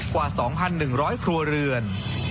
กว่า๒๑๐๐ครัวเรือน